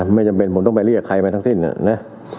ไม่จำเป็นผมต้องไปเรียกใครไปทั้งสิ้นนะ